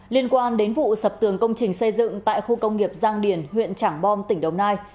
liên quan đến vụ sập tường công trình xây dựng tại khu công nghiệp giang điền huyện trảng bom tỉnh đồng nai